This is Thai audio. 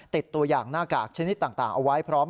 ติดตัวอย่างหน้ากากชนิดต่างเอาไว้พร้อม